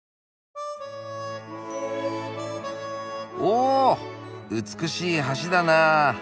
お美しい橋だなあ。